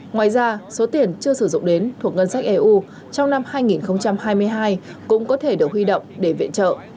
ngoài ra số tiền chưa sử dụng đến thuộc ngân sách eu trong năm hai nghìn hai mươi hai cũng có thể được huy động để viện trợ